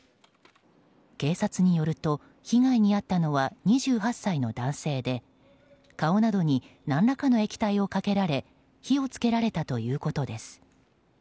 警察によると、被害に遭ったのは２８歳の男性で顔などに何らかの液体をかけられ火を付けられたということです。